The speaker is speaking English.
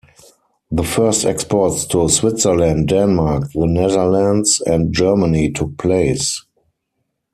The first exports to Switzerland, Denmark, the Netherlands and Germany took place.